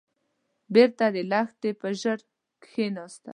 بېرته د لښتي پر ژۍ کېناست.